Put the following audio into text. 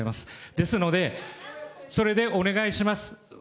ですので、それでお願いします。